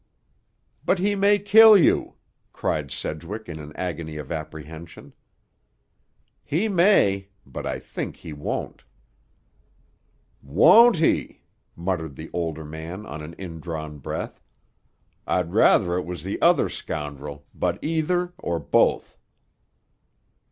"But he may kill you," cried Sedgwick in an agony of apprehension. "He may; but I think he won't." "Won't he!" muttered the older man on an indrawn breath. "I'd rather it was the other scoundrel. But either—or both."